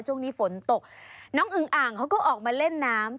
ช่วงนี้ฝนตกน้องอึงอ่างเขาก็ออกมาเล่นน้ำ